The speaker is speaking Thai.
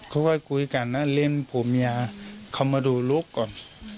เขาก็คุยกันนะเล่นผัวเมียเขามาดูลูกก่อน